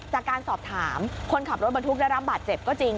จากการสอบถามคนขับรถบรรทุกได้รับบาดเจ็บก็จริง